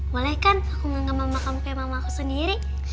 boleh kan aku nganggep mama kamu kayak mamaku sendiri